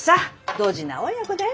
ドジな親子だよ